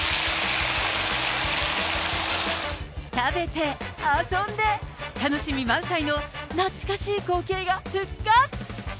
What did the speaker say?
食べて、遊んで、楽しみ満載の懐かしい光景が復活。